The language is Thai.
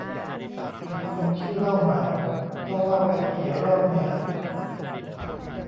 อีกคนชื่อเล่าใหม่ ต้องเล่ากันกี่รอบเนี่ย